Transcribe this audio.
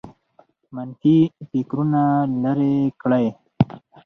منفي فکرونه لرې کړئ